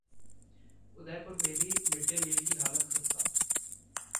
उदयपुर में भी mid day meal की हालत खस्ता